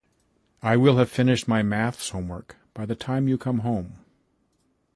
I will have finished my Maths homework by the time you come home.